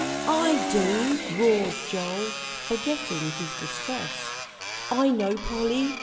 "I do," roared Joel, forgetting his distress. "I know, Polly.